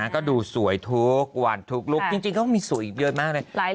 ก็ดูสวยทุกวันทุกลุคจริงเขาก็มีสวยอีกเยอะมากเลย